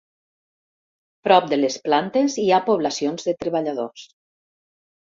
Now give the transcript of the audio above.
Prop de les plantes hi ha poblacions de treballadors.